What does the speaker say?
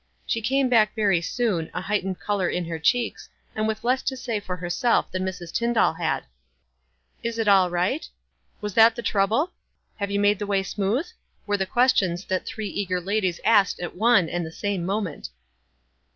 She came back very soon, a heightened color in her cheeks, and with less to say for herself than Mrs. Tyndall had. "Is it all riffht?" —" Was that the trouble?" — "Have you made the way smooth?" were the questions that three eager ladies asked at one and the same moment.